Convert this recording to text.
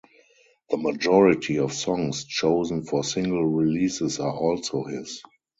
The majority of songs chosen for single releases are also his.